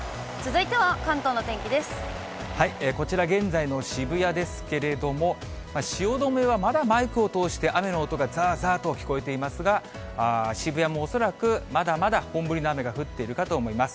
こちら、現在の渋谷ですけれども、汐留はまだマイクを通して雨の音がざーざーと聞こえていますが、渋谷も恐らくまだまだ本降りの雨が降っているかと思います。